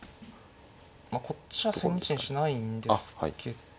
まあこっちは千日手にしないんですけど。